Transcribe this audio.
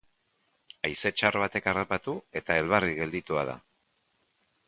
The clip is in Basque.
Haize txar batek harrapatu eta elbarri gelditua da